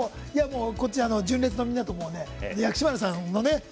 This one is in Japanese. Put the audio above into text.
こっち純烈のみんなと薬師丸さんのね。